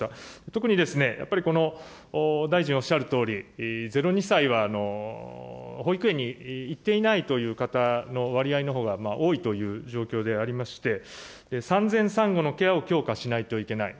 特にですね、やっぱりこの大臣おっしゃるとおり、０ー２歳は保育園に行っていないという方の割合のほうが多いという状況でありまして、産前産後のケアを強化しないといけない。